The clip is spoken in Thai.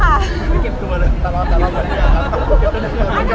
ไม่เก็บดูกันเลยตลอด